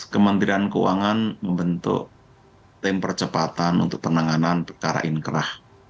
kementerian keuangan membentuk tim percepatan untuk penanganan perkara inkrah